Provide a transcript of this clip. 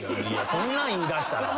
そんなん言いだしたら。